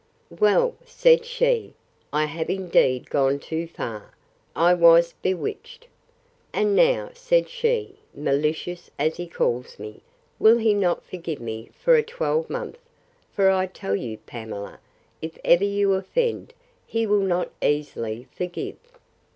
Well, said she, I have indeed gone too far. I was bewitched! And now, said she, malicious as he calls me, will he not forgive me for a twelvemonth: for I tell you, Pamela, if ever you offend, he will not easily forgive.